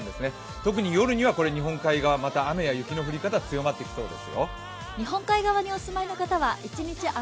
特に夜には日本海側、また雨や雪の降り方が強くなってきそうです。